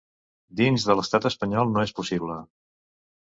Dins de l’estat espanyol no és possible.